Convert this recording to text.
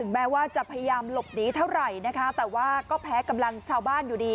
แม้ว่าจะพยายามหลบหนีเท่าไหร่นะคะแต่ว่าก็แพ้กำลังชาวบ้านอยู่ดี